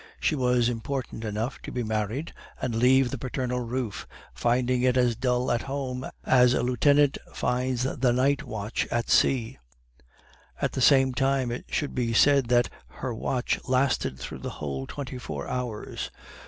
She was impatient enough to be married and leave the paternal roof, finding it as dull at home as a lieutenant finds the nightwatch at sea; at the same time, it should be said that her watch lasted through the whole twenty four hours.